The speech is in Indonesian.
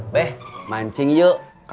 beh mancing yuk